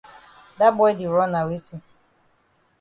Dat boy di run na weti?